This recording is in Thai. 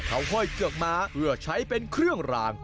เขาห้อยเกือกม้าเพื่อใช้เป็นเครื่องราง